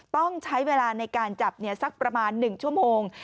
ต้องใช้เวลาในการจับสักประมาณ๑ชั่วโมง